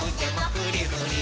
フリフリ。